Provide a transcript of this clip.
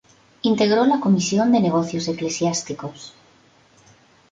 Integró la Comisión de Negocios Eclesiásticos.